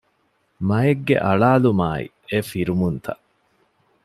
މައެއްގެ އަޅާލުމާއި އެ ފިރުމުންތައް